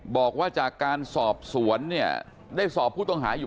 บอกว่าจากการสอบสวนเนี่ยได้สอบผู้ต้องหาอยู่